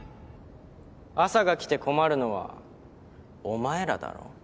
朝が来て困るのはお前らだろ。